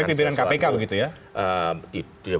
pimpinan kpk begitu ya